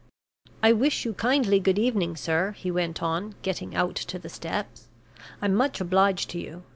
"I wish you kindly good evening, sir," he went on, getting out to the steps. "I'm much obliged to you.